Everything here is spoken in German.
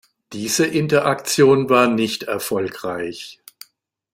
Diese Interaktion war nicht erfolgreich.